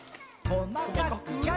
こまかく。